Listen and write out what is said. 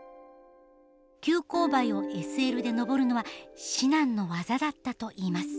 急勾配をＳＬで登るのは至難の業だったといいます。